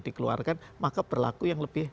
dikeluarkan maka berlaku yang lebih